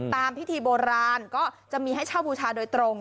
ตามพิธีโบราณก็จะมีให้เช่าบูชาโดยตรง